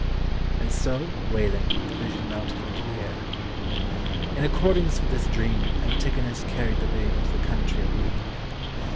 And so, wailing, the vision melted into the air. In accordance with this dream, Antigonus carried the babe into the country of Bohemia.